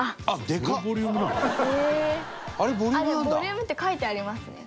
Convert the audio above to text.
でも、ボリュームって書いてありますね。